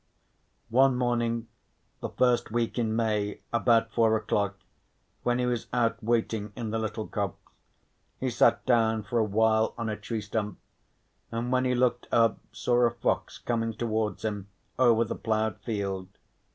One morning the first week in May, about four o'clock, when he was out waiting in the little copse, he sat down for a while on a tree stump, and when he looked up saw a fox coming towards him over the ploughed field.